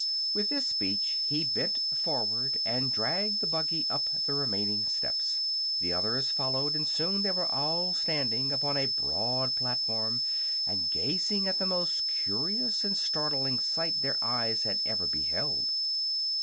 With this speech he bent forward and dragged the buggy up the remaining steps. The others followed and soon they were all standing upon a broad platform and gazing at the most curious and startling sight their eyes had ever beheld.